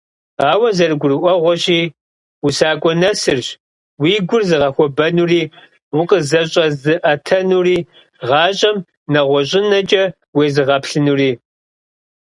Ауэ, зэрыгурыӀуэгъуэщи, усакӀуэ нэсырщ уи гур зыгъэхуэбэнури, укъызэщӀэзыӀэтэнури, гъащӀэм нэгъуэщӀынэкӀэ уезыгъэплъынури.